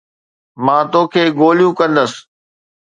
مان توکي گوليون ڪندس